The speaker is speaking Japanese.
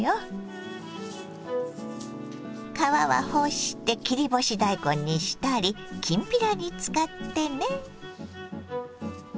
皮は干して切り干し大根にしたりきんぴらに使ってね。